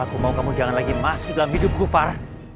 aku mau kamu jangan lagi masuk dalam hidupku far